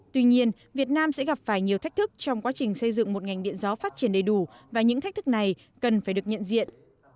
tuy nhiên việt nam sẽ gặp phải nhiều thách thức trong quá trình xây dựng một ngành điện gió phát triển đầy đủ và những thách thức này cần phải được nhận diện